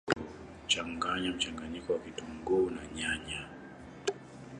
changanya mchanganyiko wa kitunguu na nyanya